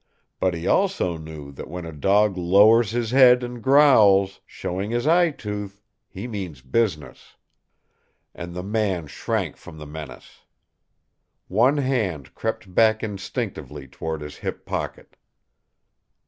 But he also knew that when a dog lowers his head and growls, showing his eyetooth, he means business. And the man shrank from the menace. One hand crept back instinctively toward his hip pocket.